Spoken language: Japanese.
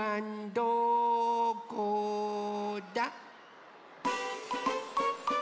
どこだ？